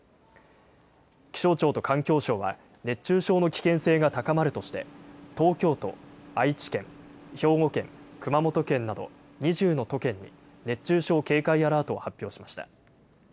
気象庁と環境省は、熱中症の危険性が高まるとして、東京都、愛知県、兵庫県、熊本県など、２０の都県に熱中症警戒アラートを発表しました。